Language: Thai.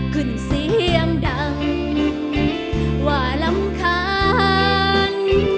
ขึ้นเสียงดังว่ารำคาญ